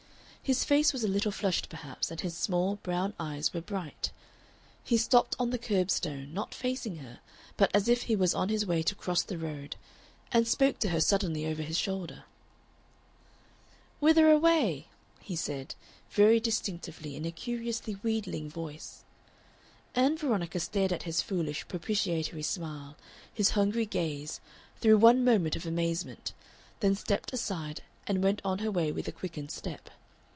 His face was a little flushed perhaps, and his small, brown eyes were bright. He stopped on the curb stone, not facing her but as if he was on his way to cross the road, and spoke to her suddenly over his shoulder. "Whither away?" he said, very distinctly in a curiously wheedling voice. Ann Veronica stared at his foolish, propitiatory smile, his hungry gaze, through one moment of amazement, then stepped aside and went on her way with a quickened step.